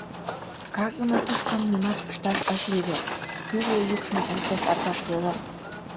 — Каргыме тӱшкам нимат ышташ ыш лий вет, — кӱжгӧ йӱкшым луктеш Атбаш Вӧдыр.